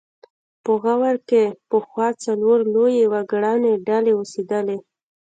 په غور کې پخوا څلور لویې وګړنۍ ډلې اوسېدلې